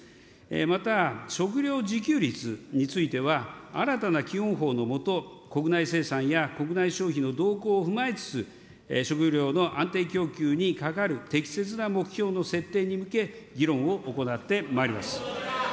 また、食料自給率については、新たな基本法の下、国内生産や国内消費の動向を踏まえつつ、食料の安定供給にかかる適切な目標の設定に向け、議論を行ってまいります。